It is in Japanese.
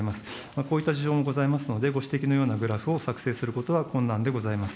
こういった事情もございますので、ご指摘のようなグラフを作成することは困難でございます。